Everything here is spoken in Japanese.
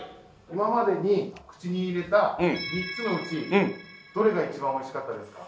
今までに口に入れた３つのうちどれが一番おいしかったですか？